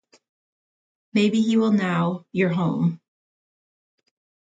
Maybe he will now you’re home.